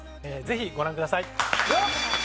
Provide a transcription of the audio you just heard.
ぜひご覧ください。